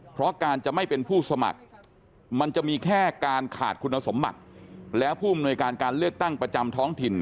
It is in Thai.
เพราะการจะไม่เป็นผู้สมัครมันจะมีแค่การขาดคุณสมบัติแล้วผู้อำนวยการการเลือกตั้งประจำท้องถิ่น